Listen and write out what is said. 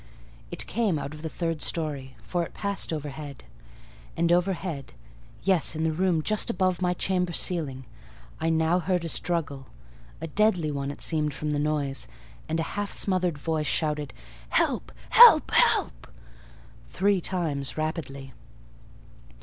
It came out of the third storey; for it passed overhead. And overhead—yes, in the room just above my chamber ceiling—I now heard a struggle: a deadly one it seemed from the noise; and a half smothered voice shouted— "Help! help! help!" three times rapidly.